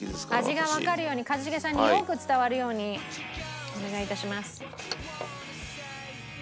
味がわかるように一茂さんによく伝わるようにお願い致します。